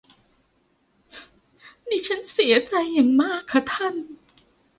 ดิฉันเสียใจอย่างมากค่ะท่าน